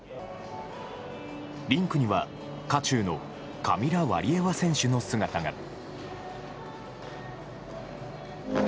リンクには渦中のカミラ・ワリエワ選手の姿が。